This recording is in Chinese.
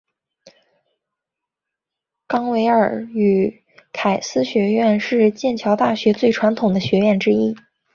冈维尔与凯斯学院是剑桥大学最传统的学院之一。